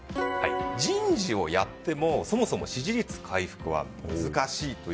人事をやってもそもそも支持率回復は難しい。